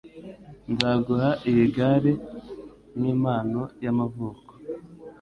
Nzaguha iyi gare nkimpano y'amavuko.